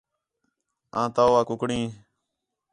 آں تَو وا کُکڑیں